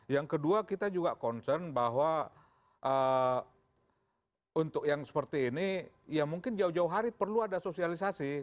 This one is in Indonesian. yang kedua kita juga concern bahwa untuk yang seperti ini ya mungkin jauh jauh hari perlu ada sosialisasi